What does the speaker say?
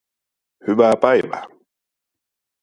Hyvää päivää